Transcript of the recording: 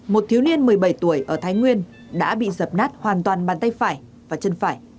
một thiếu niên một mươi bảy tuổi ở thái nguyên đã bị dập nát hoàn toàn bàn tay phải và chân phải